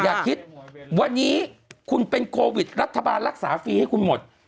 อย่าคิดวันนี้คุณเป็นโควิดรัฐบาลรักษาฟรีให้คุณหมด